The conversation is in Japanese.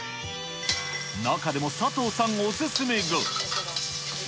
中でも佐藤さんお勧めが。